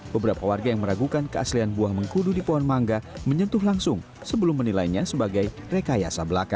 beberapa warga yang meragukan keaslian buah mengkudu di pohon mangga menyentuh langsung sebelum menilainya sebagai rekayasa belaka